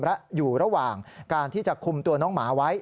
และอยู่ระหว่างการที่จะคุมตัวน้องหมาไว้